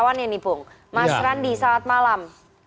baik selamat malam